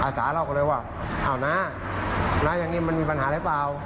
อาสาเล่ากันเลยว่าเอานะน่าอย่างเงี้ยมันมีปัญหาได้เปล่า